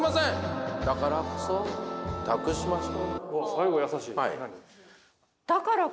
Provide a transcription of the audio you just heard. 最後、優しい。